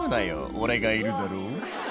俺がいるだろ」